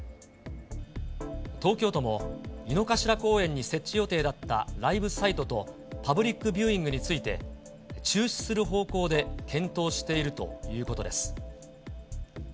東京都も、井の頭公園に設置予定だったライブサイトと、パブリックビューイングについて、中止する方向で検討しているということです。